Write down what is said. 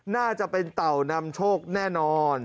น่าจะเป็นเต่านำโชคแน่นอน